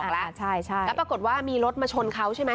ตะออกละก็ปรากฏว่ามีรถมาชนเขาใช่ไหม